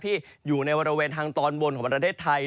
ที่อยู่ในบริเวณทางตอนบนของประเทศไทย